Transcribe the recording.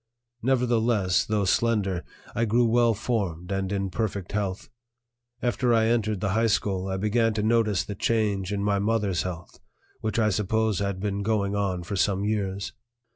Nevertheless, though slender, I grew well formed and in perfect health. After I entered the high school, I began to notice the change in my mother's health, which I suppose had been going on for some years.